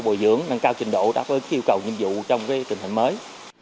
bồi dưỡng nâng cao trình độ đáp ứng yêu cầu nhiệm vụ trong tình hình mới